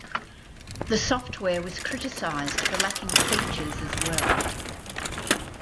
The software was criticized for lacking features as well.